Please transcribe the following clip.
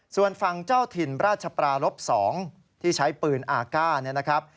ส่วนฝั่งเจ้าถิ่นราชปราลบ๒ที่ใช้ปืนอากาศ